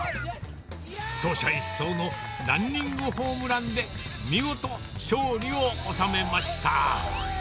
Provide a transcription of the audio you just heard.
走者一掃のランニングホームランで、見事、勝利を収めました。